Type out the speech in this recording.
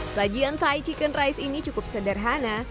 sajian tai chicken rice ini cukup sederhana